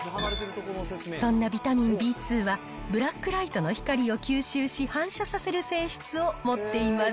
そんなビタミンＢ２は、ブラックライトの光を吸収し、反射させる性質を持っています。